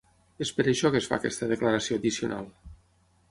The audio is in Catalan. És per això que es fa aquesta declaració addicional.